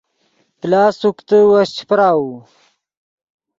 پلاس سوکتے وس چے پراؤو